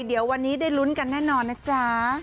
เดี๋ยววันนี้ได้ลุ้นกันแน่นอนนะจ๊ะ